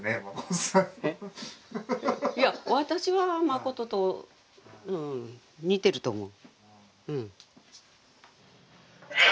いや私は誠とうん似てると思う。